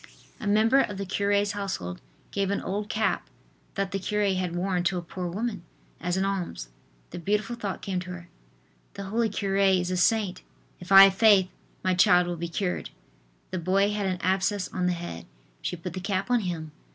A member of the cure's household gave an old cap that the cure had worn to a poor woman, as an alms. The beautiful thought came to her: "The holy cure is a saint. If I have faith, my child will be cured." The boy had an abscess on the head. She put the cap on him.